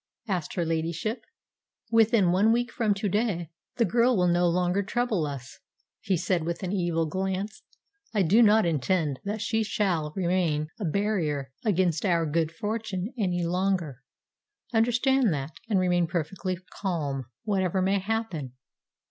asked her ladyship. "Within one week from to day the girl will no longer trouble us," he said with an evil glance. "I do not intend that she shall remain a barrier against our good fortune any longer. Understand that, and remain perfectly calm, whatever may happen."